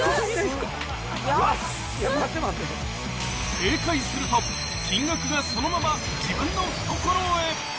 ［正解すると金額がそのまま自分の懐へ］